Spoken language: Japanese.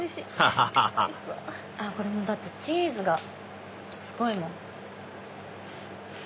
ハハハハだってチーズがすごいもん。